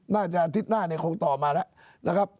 น่าจะอาทิตย์หน้าคงตอบมาแล้วนะครับ